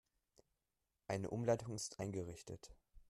Eine Umleitung ist eingerichtet.